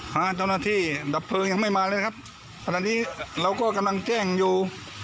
เจ้าหน้าที่ดับเพลิงยังไม่มาเลยครับขณะนี้เราก็กำลังแจ้งอยู่